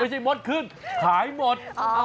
ไม่ใช่มดขึ้นขายหมด